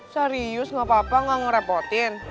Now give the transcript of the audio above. serius gapapa gak ngerepotin